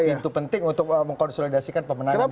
itu penting untuk mengkonsolidasikan pemenangan di kintres